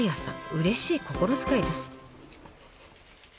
うれしい心遣いです。